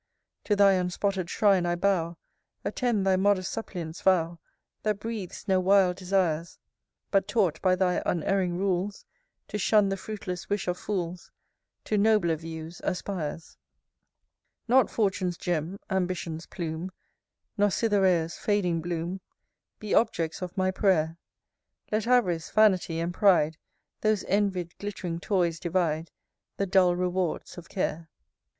To thy unspotted shrine I bow: Attend thy modest suppliant's vow, That breathes no wild desires; But, taught by thy unerring rules, To shun the fruitless wish of fools, To nobler views aspires. VI. Not Fortune's gem, Ambition's plume, Nor Cytherea's fading bloom, Be objects of my prayer: Let av'rice, vanity, and pride, Those envy'd glitt'ring toys divide, The dull rewards of care. VII.